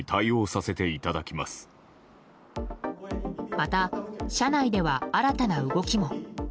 また、社内では新たな動きも。